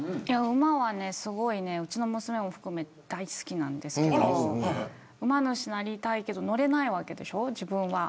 馬はうちの娘も含めて大好きなんですけど馬主になりたいけど乗れないわけでしょ、自分は。